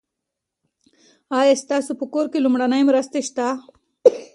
ایا ستاسي په کور کې لومړنۍ مرستې شته؟